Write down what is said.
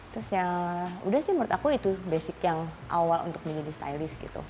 terus ya udah sih menurut aku itu basic yang awal untuk menjadi stylist gitu